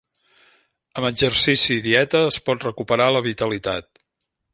Amb exercici i dieta es pot recuperar la vitalitat.